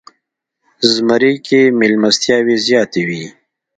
زمری کې میلمستیاوې زیاتې وي.